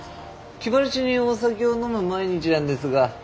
気晴らしにお酒を飲む毎日なんですが。